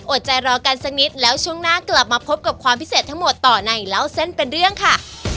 ใจรอกันสักนิดแล้วช่วงหน้ากลับมาพบกับความพิเศษทั้งหมดต่อในเล่าเส้นเป็นเรื่องค่ะ